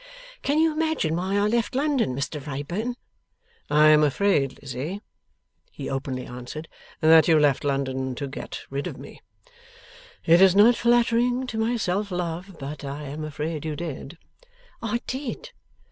'Can you imagine why I left London, Mr Wrayburn?' 'I am afraid, Lizzie,' he openly answered, 'that you left London to get rid of me. It is not flattering to my self love, but I am afraid you did.' 'I did.